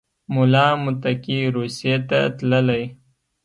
ملا متقي روسیې ته تللی